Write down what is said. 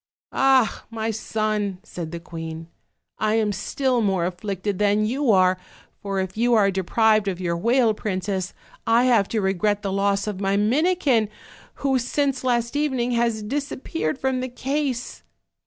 "Ah! my son," said the queen, "lam still more af flicted than you are; for if you are deprived of your whale princess I have to regret the loss of my Minikin, who since last evening has disappeared from the case."